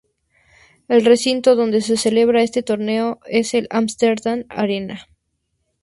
El recinto donde se celebra este torneo es el Amsterdam Arena.